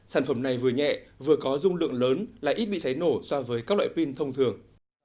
sản phẩm này vừa nhẹ vừa có dung lượng lớn lại ít bị cháy nổ so với các loại pin thông thường